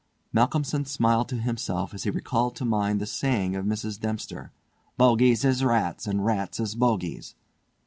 Malcolmson smiled to himself as he recalled to mind the saying of Mrs. Dempster, "Bogies is rats, and rats is bogies!"